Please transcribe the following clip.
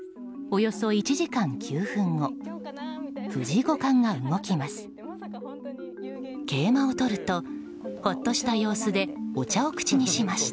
およそ１時間９分後藤井五冠が動きます。